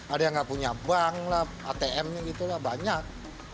ada yang nggak punya bank lah atm nya gitu lah banyak